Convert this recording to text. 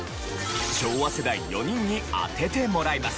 昭和世代４人に当ててもらいます。